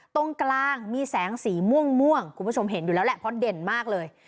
ตรงกลางมีแสงสีม่วงคุณผู้ชมเห็นอยู่แล้วแหละเพราะเด่นมากเลย